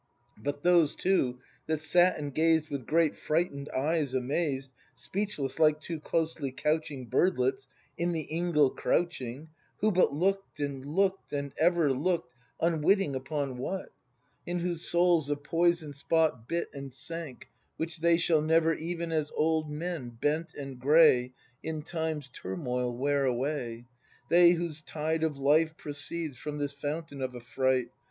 But those two, that sat and gazed With great frighten'd eyes, amazed. Speechless, like two closely couching Birdlets, in the ingle crouching, — Who but look'd, and look'd, and ever Look'd, unwitting upon what, — ACT II] BRAND 73 In whose souls a poison spot Bit and sank, which they shall never Even as old men bent and gray. In Time's turmoil wear away, — They, whose tide of life proceeds From this fountain of affright.